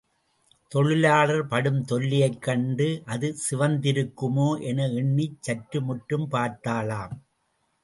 தொழிலாளர் படும் தொல்லையைக் கண்டு அது சிவந்திருக்குமோ என எண்ணிச் சுற்று முற்றும் பார்த்தளாம்.